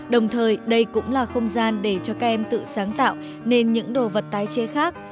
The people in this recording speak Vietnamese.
đồng thời đây cũng là không gian để cho các em tự sáng tạo nên những đồ vật tái chế khác